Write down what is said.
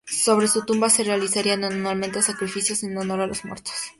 Sobre su tumba se realizarían anualmente sacrificios en honor a los muertos.